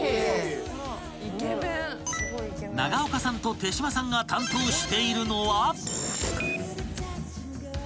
［永岡さんと手島さんが担当しているのは］